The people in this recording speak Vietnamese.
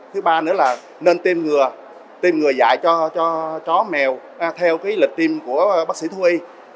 thứ ba nữa là nên tiêm ngừa tiêm ngừa dạy cho chó mèo theo lịch tiêm của bác sĩ thu y